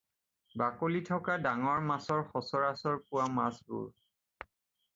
বাকলি থকা ডাঙৰ মাছৰ সচৰাচৰ পোৱা মাছবোৰ।